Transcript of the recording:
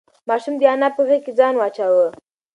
ماشوم د انا په غېږ کې ځان واچاوه.